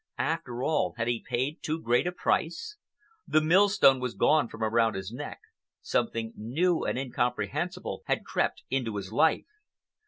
After all, had he paid too great a price? The millstone was gone from around his neck, something new and incomprehensible had crept into his life.